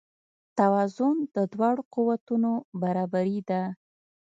توازن د دواړو قوتونو برابري ده.